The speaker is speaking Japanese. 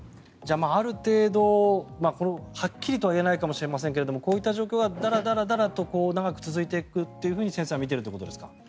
ある程度、はっきりとは言えないかもしれませんがこういった状況はだらだらと長く続いていくと先生は見ているということですか？